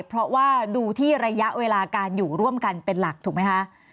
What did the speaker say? เพราะว่าดูที่ระยะเวลาการอยู่ร่วมกันเป็นหลักถูกไหมคะ